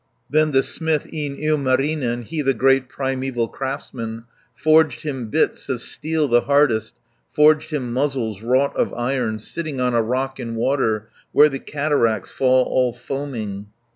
Then the smith, e'en Ilmarinen, He the great primeval craftsman, 130 Forged him bits, of steel the hardest, Forged him muzzles wrought of iron, Sitting on a rock in water, Where the cataracts fall all foaming.